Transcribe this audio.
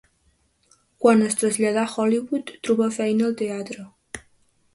Quan es traslladà a Hollywood, trobà feina al teatre.